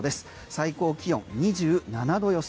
最高気温２７度予想。